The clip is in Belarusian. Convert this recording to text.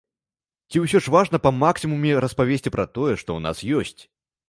Ці ўсё ж важна па максімуме распавесці пра тое, што ў нас ёсць?